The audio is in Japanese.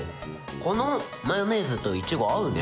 このマヨネーズとイチゴ、合うね。